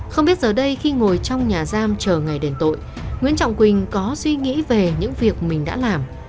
không biết giờ đây khi ngồi trong nhà giam chờ ngày đền tội nguyễn trọng quỳnh có suy nghĩ về những việc mình đã làm